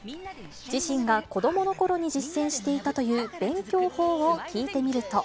自身が子どものころに実践していたという勉強法を聞いてみると。